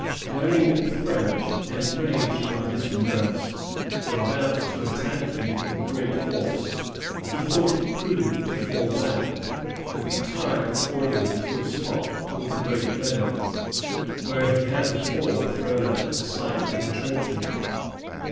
Learning that the French, enraged by this reverse, were about to attack him in great force, he thought it prudent to fall back, and retired accordingly to a spot called the Great Meadows, where he had before thrown up a slight intrenchment.